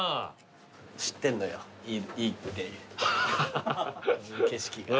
知ってんのよいいって景色が。